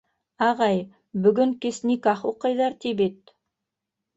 — Ағай, бөгөн кис никах уҡыйҙар, ти, бит.